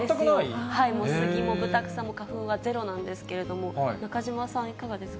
スギもブタクサも花粉はゼロなんですけれども、中島さん、いかがですか。